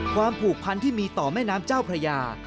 ผูกพันที่มีต่อแม่น้ำเจ้าพระยา